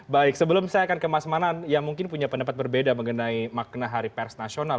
baik sebelum saya akan ke mas manan yang mungkin punya pendapat berbeda mengenai makna hari pers nasional